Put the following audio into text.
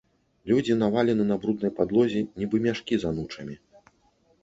Людзі навалены на бруднай падлозе, нібы мяшкі з анучамі.